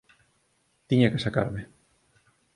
Tiña que sacarme.